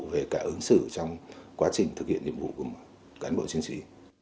về cả ứng xử trong quá trình thực hiện nhiệm vụ của cán bộ chiến sĩ